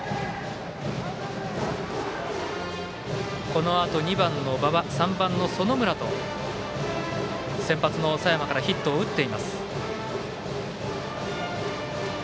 このあと２番の馬場３番の園村と先発の佐山からヒットを打っています。